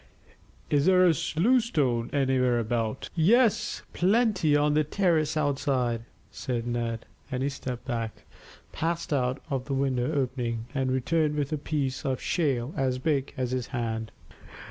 "Is there a loose stone anywhere about?" "Yes, plenty on the terrace outside," said Ned, and he stepped back, passed out of the window opening, and returned with a piece of shale as big as his hand.